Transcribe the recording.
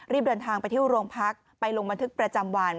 เดินทางไปที่โรงพักไปลงบันทึกประจำวัน